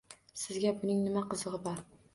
Sizga buning nima qizig`i bor